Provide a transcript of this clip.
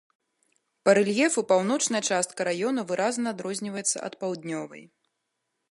Па рэльефу паўночная частка раёна выразна адрозніваецца ад паўднёвай.